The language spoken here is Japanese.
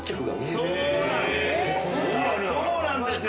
そうなんですよ